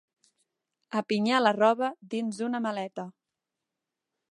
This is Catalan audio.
Apinyar la roba dins una maleta.